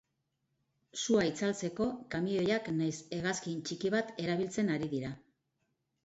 Sua itzaltzeko kamioiak nahiz hegazkin txiki bat erabiltzen ari dira.